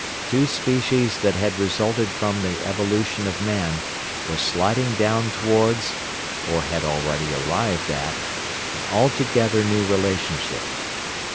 The two species that had resulted from the evolution of man were sliding down towards, or had already arrived at, an altogether new relationship.